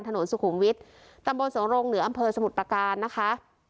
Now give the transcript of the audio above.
ถนนสุขุมวิทย์ตำบลโสรงเหนืออำเภอสมุทรประการนะคะ